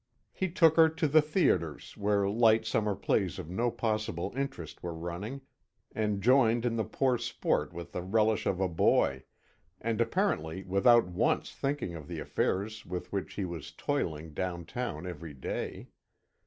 He took her to the theatres, where light summer plays of no possible interest were running, and joined in the poor sport with the relish of a boy, and apparently without once thinking of the affairs with which he was toiling down town every day.